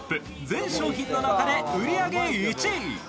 全商品の中で売り上げ１位。